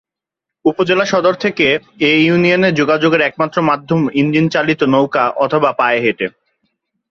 উপজেলা সদর থেকে এ ইউনিয়নে যোগাযোগের একমাত্র মাধ্যম ইঞ্জিন চালিত নৌকা অথবা পায়ে হেঁটে।